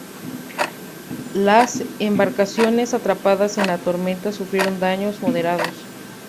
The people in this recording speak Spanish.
Las embarcaciones atrapadas en la tormenta sufrieron daños moderados.